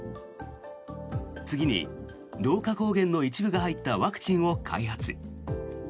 次に老化抗原の一部が入ったワクチンを開発。